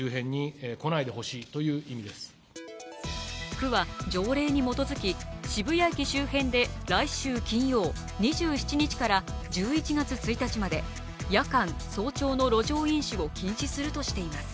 区は条例に基づき、渋谷駅周辺で来週金曜２７日から１１月１日まで夜間・早朝の路上飲酒を禁止するとしています。